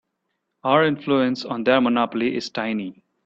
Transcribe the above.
Our influence on their monopoly is tiny.